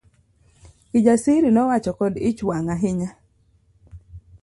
Kijasiri nowacho kod ich wang ahinya.